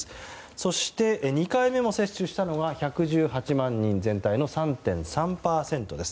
そして２回目も接種したのが１１８万人全体の３．３％です。